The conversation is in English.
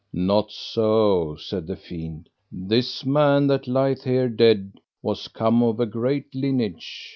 Not so, said the fiend, this man that lieth here dead was come of a great lineage.